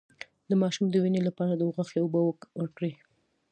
د ماشوم د وینې لپاره د غوښې اوبه ورکړئ